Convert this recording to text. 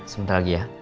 sebentar lagi ya